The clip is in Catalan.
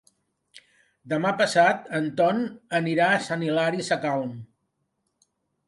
Demà passat en Ton anirà a Sant Hilari Sacalm.